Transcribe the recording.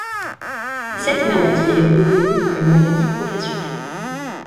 Cette maladie est reconnue comme maladie professionnelle.